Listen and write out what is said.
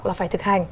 là phải thực hành